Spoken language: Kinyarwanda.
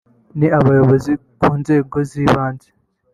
n’Abayobozi ku nzego z’ibanze